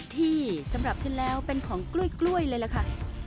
ที่สำหรับฉันแล้วเป็นของกล้วยเลยล่ะค่ะ